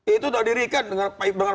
itu udah dirikan dengan